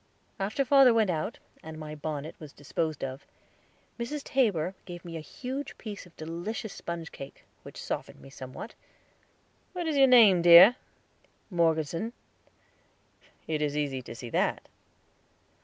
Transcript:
After father went out, and my bonnet was disposed of, Mrs. Tabor gave me a huge piece of delicious sponge cake, which softened me somewhat. "What is your name, dear?" "Morgeson." "It is easy to see that."